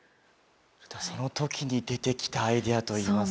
その時に出てきたアイデアといいますか。